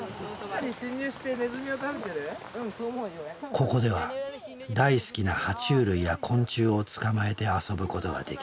ここでは大好きなは虫類や昆虫を捕まえて遊ぶことができる。